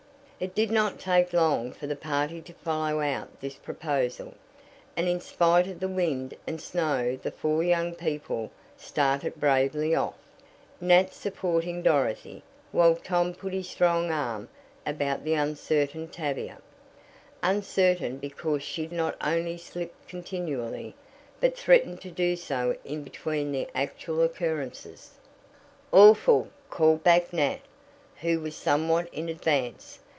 It did not take long for the party to follow out this proposal, and in spite of the wind and snow the four young people started bravely off, Nat supporting Dorothy, while Tom put his strong arm about the uncertain Tavia uncertain because she not only slipped continually, but threatened to do so in between the actual occurrences. "Awful!" called back Nat, who was somewhat in advance.